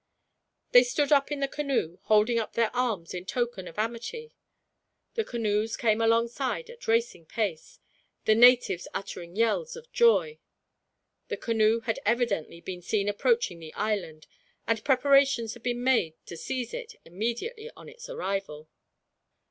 They stood up in the canoe, holding up their arms in token of amity. The canoes came alongside at racing pace, the natives uttering yells of joy. The canoe had evidently been seen approaching the island, and preparations had been made to seize it, immediately on its arrival.